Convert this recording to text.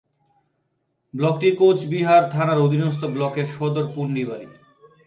ব্লকটি কোচবিহার থানার অধীনস্থ ব্লকের সদর পুন্ডিবাড়ি।